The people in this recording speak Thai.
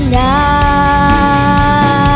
วิทยาลัยสวัสดี